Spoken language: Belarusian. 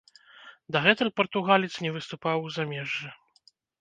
Дагэтуль партугалец не выступаў у замежжы.